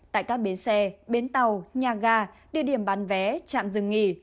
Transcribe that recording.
tại các bến xe bến tàu nhà ga địa điểm bán vé trạm dừng nghỉ